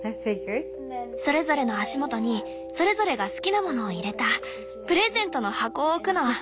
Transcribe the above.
それぞれの足元にそれぞれが好きなものを入れたプレゼントの箱を置くの。